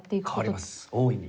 変わります大いに。